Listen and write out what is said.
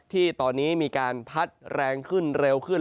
ที่ตอนนี้มีการพัดแรงขึ้นเร็วขึ้น